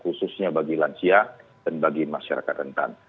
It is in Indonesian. khususnya bagi lansia dan bagi masyarakat rentan